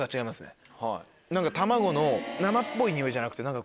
何か卵の生っぽい匂いじゃなくて。